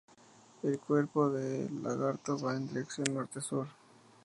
El cuerpo del lagarto va en dirección norte-sur.